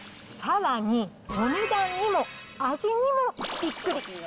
さらに、お値段にも味にもびっくり。